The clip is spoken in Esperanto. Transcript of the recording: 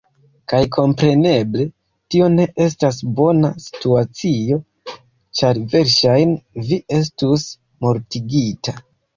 Kaj kompreneble, tio ne estas bona situacio, ĉar verŝajne, vi estus mortigita.